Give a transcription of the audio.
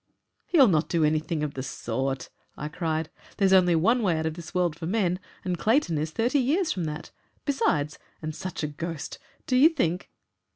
"He'll not do anything of the sort," I cried. "There's only one way out of this world for men, and Clayton is thirty years from that. Besides... And such a ghost! Do you think